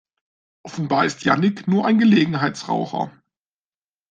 Offenbar ist Jannick nur ein Gelegenheitsraucher.